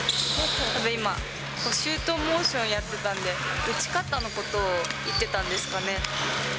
たぶん今、シュートモーションやってたんで、打ち方のことを言ってたんですかね。